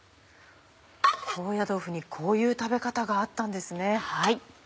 高野豆腐にこういう食べ方があったんですね。